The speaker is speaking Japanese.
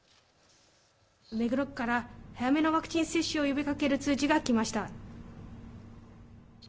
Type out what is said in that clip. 目黒区から早めの接種を呼びかける通知が来ました。